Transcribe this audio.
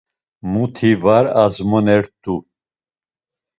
Muti var azmonert̆u.